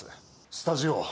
スタジオ。